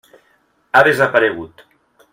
Ha desaparegut.